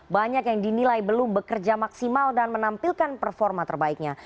banyak yang dinilai belum bekerja maksimal dan menampilkan performa terbaiknya